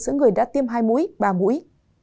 giữa người đã tiêm hai mũi ba mũi